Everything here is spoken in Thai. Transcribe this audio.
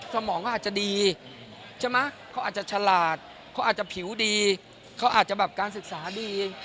สมองเขาอาจจะดีใช่ไหมเขาอาจจะฉลาดเขาอาจจะผิวดีเขาอาจจะแบบการศึกษาดี